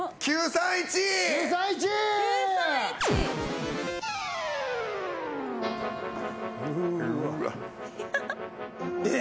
９３１！え？